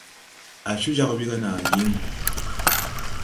Á coo jag ɓi ga naa yiŋ.